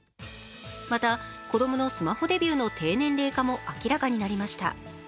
また子供のスマホデビューの低年齢化も明らかになりました。